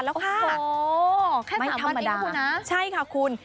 โอ้โหแค่สามวันอีกนะคุณนะไม่ธรรมดาใช่ค่ะคุณ